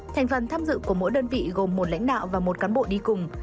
thành phần tham dự của mỗi đơn vị gồm một lãnh đạo và một cán bộ đi cùng